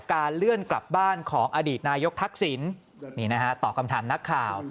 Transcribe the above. การเลื่อนกลับบ้านของอดีตนายกทักษิณนี่นะฮะตอบคำถามนักข่าว